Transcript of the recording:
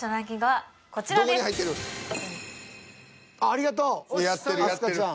ありがとう明日香ちゃん。